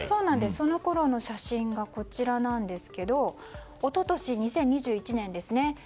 そのころの写真がこちらですが一昨年、２０２１年ですね。